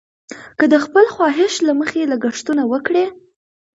که د خپل خواهش له مخې لګښتونه وکړي.